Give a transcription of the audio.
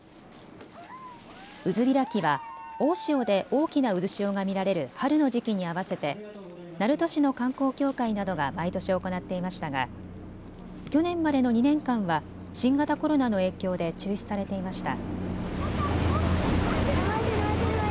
渦開きは大潮で大きな渦潮が見られる春の時期に合わせて鳴門市の観光協会などが毎年行っていましたが去年までの２年間は新型コロナの影響で中止されていました。